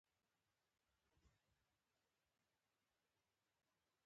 کاکړي د خپلو شهیدانو یادونه ژوندي ساتي.